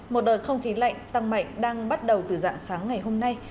một đợt không khí lạnh tăng mạnh đang bắt đầu từ dạng sáng ngày hôm nay